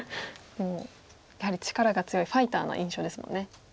やはり力が強いファイターな印象ですもんね。